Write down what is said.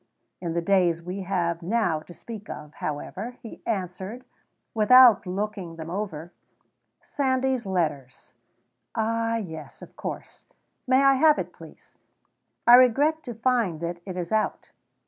In the days we have now to speak of, however, he answered, without looking them over: "Sandys's 'Letters,'" "Ah, yes, of course. May I have it, please?" "I regret to find that it is out."